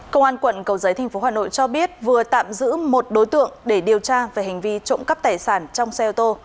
công an quận cầu giấy tp hà nội cho biết vừa tạm giữ một đối tượng để điều tra về hành vi trộm cắp tài sản trong xe ô tô